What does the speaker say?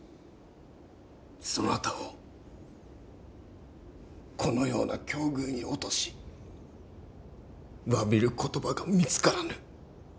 そなたをこのような境遇に落とし詫びる言葉が見つからぬ。